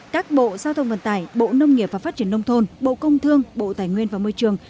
các bộ giao thông vận tải bộ nông nghiệp và phát triển nông thôn bộ công thương bộ tài nguyên và môi trường